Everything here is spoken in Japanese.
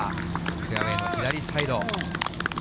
フェアウエーの左サイド。